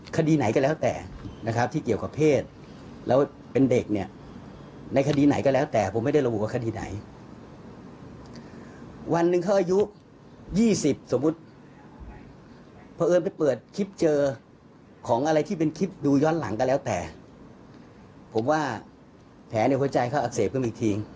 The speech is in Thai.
ก็แล้วแต่ผมว่าแผลในหัวใจเขาอักเสบกันอีกที